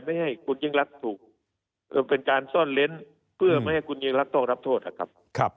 ไม่ให้คุณยิ่งรักถูกเป็นการซ่อนเล้นเพื่อไม่ให้คุณยิ่งรักต้องรับโทษนะครับ